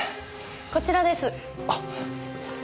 こちらです。